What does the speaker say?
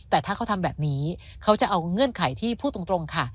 แต่ถ้าเขาทำแบบนี้เขาจะเอาเงื่อนไขที่พูดตรงค่ะ